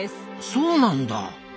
そうなんだ！